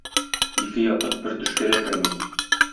Ике ятып бер төшкә дә керми.